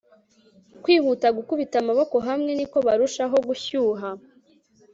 kwihuta gukubita amaboko hamwe, niko barushaho gushyuha